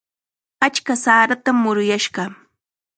Achka saratam muruyaashaq.